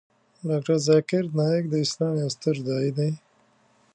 ډاکتر ذاکر نایک د اسلام یو ستر داعی دی .